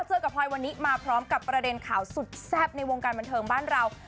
เจอกับพลอยวันนี้มาพร้อมกับประเด็นข่าวสุดแซ่บในวงการบันเทิงบ้านเรา